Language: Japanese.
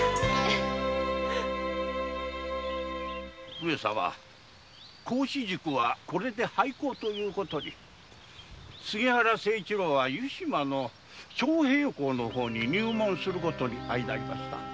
上様孔子塾はこれで廃校となり杉原清一郎は湯島の昌平黌の方に入門する事になりました。